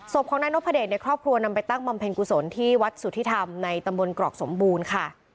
ศพของนายนพเดชในครอบครัวนำไปตั้งบำเพ็ญกุศลที่วัดสุธิธรรมในตำบลกรอกสมบูรณ์ค่ะ